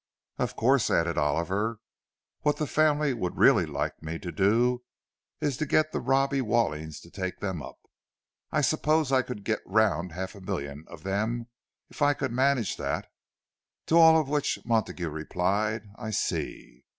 "Of course," added Oliver, "what the family would really like me to do is to get the Robbie Wallings to take them up. I suppose I could get round half a million of them if I could manage that." To all of which Montague replied, "I see."